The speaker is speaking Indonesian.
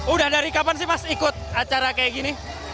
udah dari kapan sih mas ikut acara kayak gini